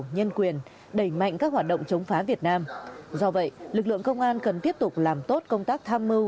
nhân quyền đẩy mạnh các hoạt động chống phá việt nam do vậy lực lượng công an cần tiếp tục làm tốt công tác tham mưu